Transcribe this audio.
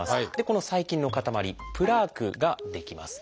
この細菌の塊「プラーク」が出来ます。